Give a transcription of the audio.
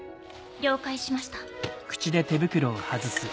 了解しました。